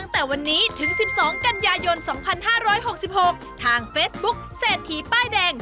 ทางเฟซบุ๊คเศรษฐีป้ายแดง